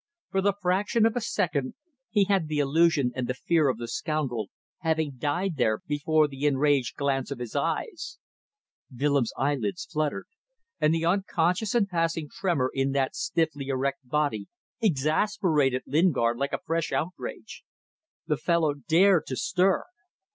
For the fraction of a second he had the illusion and the fear of the scoundrel having died there before the enraged glance of his eyes. Willems' eyelids fluttered, and the unconscious and passing tremor in that stiffly erect body exasperated Lingard like a fresh outrage. The fellow dared to stir!